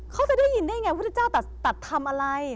เขาจะได้ยินได้อย่างไรพระเจ้าตัดทำอะไร